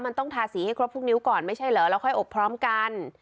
มันต้องทาสีให้ครบทุกนิ้วก่อนไม่ใช่เหรอแล้วค่อยอบพร้อมกัน